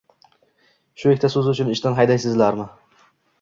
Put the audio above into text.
— Shu ikkita so‘z uchun ishdan haydaysizlarmi? —